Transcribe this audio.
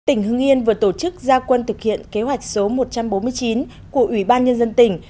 tỉnh hưng yên vừa tổ chức gia quân thực hiện kế hoạch số một trăm bốn mươi chín của ủy ban nhân dân tỉnh